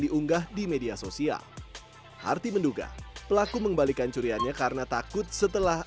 diunggah di media sosial harti menduga pelaku mengembalikan curiannya karena takut setelah